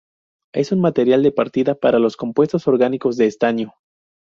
Es un material de partida para los compuestos orgánicos de estaño.